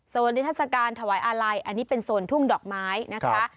นิทัศกาลถวายอาลัยอันนี้เป็นโซนทุ่งดอกไม้นะคะ